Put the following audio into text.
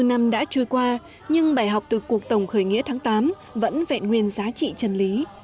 bảy mươi năm năm đã trôi qua nhưng bài học từ cuộc tổng khởi nghĩa tháng tám vẫn vẹn nguyên giá trị chân lý